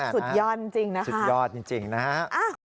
สุดยอดจริงนะคะสุดยอดจริงนะฮะ